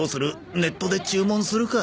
ネットで注文するか？